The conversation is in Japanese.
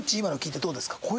今の聞いてどうですか？